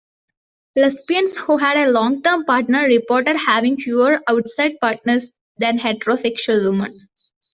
Lesbians who had a long-term partner reported having fewer outside partners than heterosexual women.